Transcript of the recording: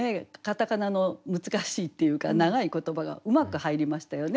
片仮名の難しいっていうか長い言葉がうまく入りましたよね。